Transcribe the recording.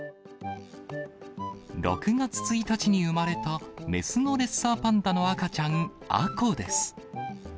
６月１日に生まれた雌のレッサーパンダの赤ちゃん、杏香です。